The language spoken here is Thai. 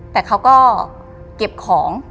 แต่เขาก็เก็บของ